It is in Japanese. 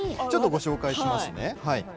ちょっとご紹介します。